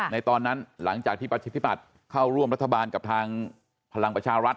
ในตอนนั้นหลังจากที่ประชาธิบัติเข้าร่วมรัฐบาลกับทางพลังประชารัฐ